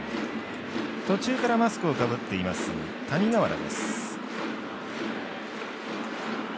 途中からマスクをかぶっています谷川原です。